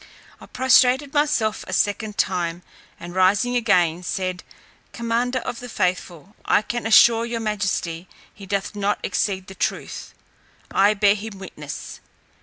I prostrated myself a second time, and rising again, said, "Commander of the faithful, I can assure your majesty he doth not exceed the truth. I bear him witness.